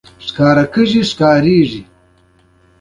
مديريت درېيم داسې لينز دی.